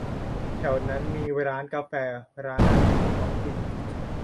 แถวนั้นมีร้านกาแฟ ร้านอาหารท้องถิ่น